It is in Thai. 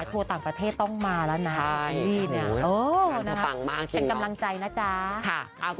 ขอให้ทุกคนรออีกสักแป๊บนึงนะคะใส่คำถามกันต่อไปด้วยค่ะ